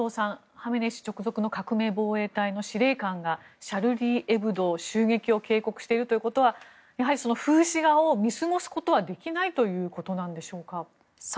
ハメネイ師直属の革命防衛隊の司令官がシャルリー・エブドの襲撃を警告しているということはやはり風刺画を見過ごすことはできないということなんでしょうか。